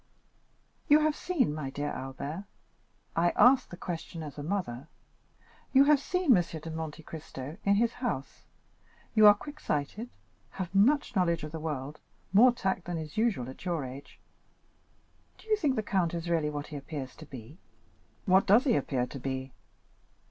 "You have seen, my dear Albert—I ask the question as a mother—you have seen M. de Monte Cristo in his house, you are quicksighted, have much knowledge of the world, more tact than is usual at your age, do you think the count is really what he appears to be?" "What does he appear to be?"